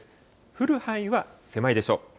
降る範囲は狭いでしょう。